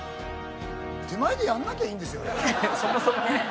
手前でやんなきゃいいんですよね。